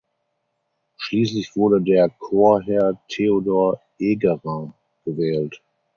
Schließlich wurde der Chorherr Theodor Egerer gewählt.